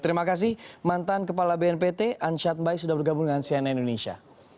terima kasih mantan kepala bnpt ansyad bayi sudah bergabung dengan cnn indonesia